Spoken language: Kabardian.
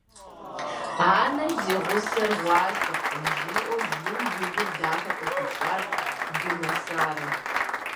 - Анэ зи гъусэ гъуащэркъым, - жиӀэу Лу и гур дахэ къыхуищӀат Думэсарэ.